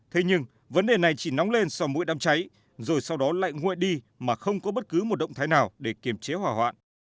thế nhưng vấn đề này chỉ nóng lên sau mỗi đám cháy rồi sau đó lại nguội đi mà không có bất cứ một động thái nào để kiềm chế hỏa hoạn